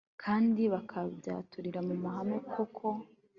kandi bakabyaturira mu ruhame koko